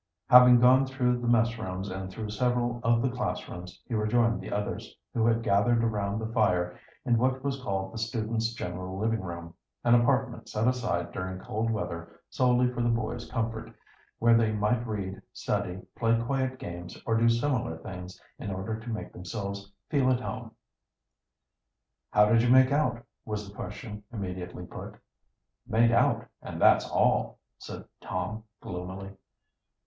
Having gone through the mess rooms and through several of the classrooms, he rejoined the others, who had gathered around the fire in what was called the students' general living room, an apartment set aside during cold weather solely for the boys' comfort, where they might read, study, play quiet games, or do similar things in order to make themselves feel at home. "How did you make out?" was the question immediately put. "Made out, and that's all," said Tom gloomily.